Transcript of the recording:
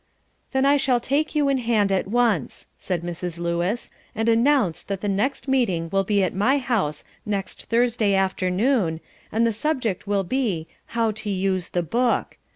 "Then I shall take you in hand at once," said Mrs. Lewis, "and announce that the next meeting will be at my house next Thursday afternoon, and the subject will be 'How to Use the Book.'